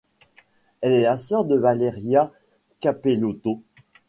Elle est la sœur de Valeria Cappellotto.